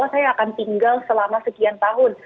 saya akan tinggal selama sekian tahun